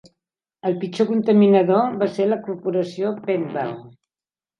El pitjor contaminador va ser la corporació Pennwalt.